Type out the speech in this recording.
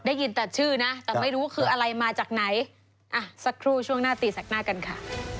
ได้ยินแต่ชื่อนะแต่ไม่รู้คืออะไรมาจากไหนอ่ะสักครู่ช่วงหน้าตีแสกหน้ากันค่ะ